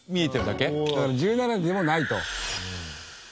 だから１７でもないと。